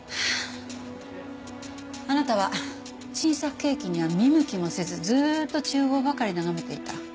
あなたは新作ケーキには見向きもせずずーっと厨房ばかり眺めていた。